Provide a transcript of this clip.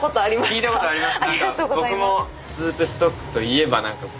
聞いたことあります。